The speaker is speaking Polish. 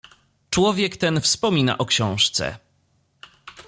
"Człowiek ten wspomina o książce."